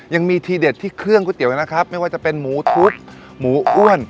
ยังมีทีเด็ดที่เครื่องก๋วยเตี๋ยวนะครับไม่ว่าจะเป็นหมูทุบหมูอ้วน